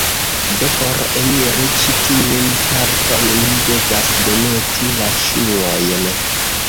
Do, por eniri ĉi tiun parton, mi devas demeti la ŝuojn